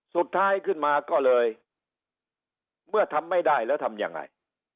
สุดท้ายขึ้นมาก็เลยเมื่อทำไม่ได้แล้วทำยังไง